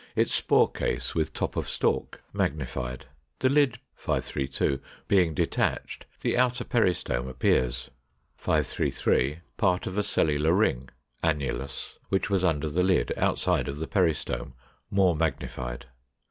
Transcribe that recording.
Its spore case, with top of stalk, magnified, the lid (532) being detached, the outer peristome appears. 533. Part of a cellular ring (annulus) which was under the lid, outside of the peristome, more magnified.